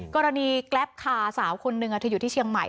แกรปคาสาวคนหนึ่งเธออยู่ที่เชียงใหม่